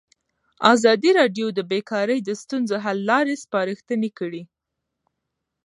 ازادي راډیو د بیکاري د ستونزو حل لارې سپارښتنې کړي.